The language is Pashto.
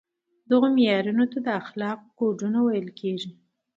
دغو معیارونو ته د اخلاقو کودونه ویل کیږي.